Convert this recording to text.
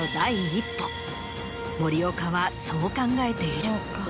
森岡はそう考えている。